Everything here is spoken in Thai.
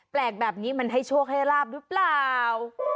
แปลกแบบนี้มันให้โชคให้ลาบหรือเปล่า